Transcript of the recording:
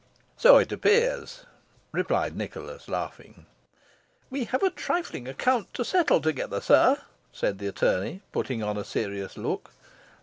"So it appears," replied Nicholas, laughing. "We have a trifling account to settle together, sir," said the attorney, putting on a serious look.